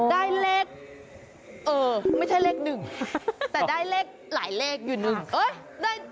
ได้เลขเออไม่ใช่เลขหนึ่งแต่ได้เลขหลายเลขอยู่หนึ่งเอ้ย